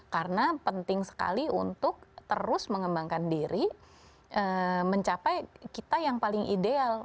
karena penting sekali untuk terus mengembangkan diri mencapai kita yang paling ideal